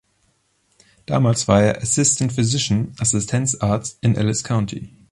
Damals war er Assistant Physician (Assistenzarzt) in Ellis County.